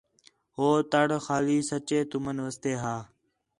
ہو تَڑ خالی سچّے تُمن واسطے ہا